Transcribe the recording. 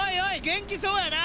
元気そうやな！